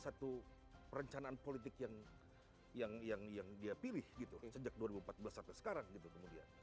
satu rencanaan politik yang yang yang yang dia pilih gitu sejak dua ribu empat belas sekarang gitu kemudian